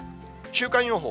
週間予報。